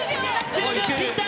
１０秒切った。